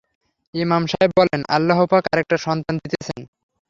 ইমাম সাহেব বললেন, আল্লাহপাক আরেকটা সন্তান দিতেছেন।